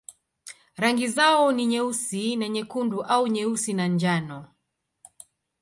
Rangi zao ni nyeusi na nyekundu au nyeusi na njano.